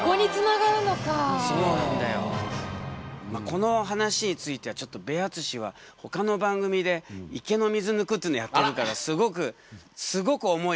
この話についてはちょっとベアツシはほかの番組で池の水抜くっていうのやってるからすごくすごく思いがあるんだな。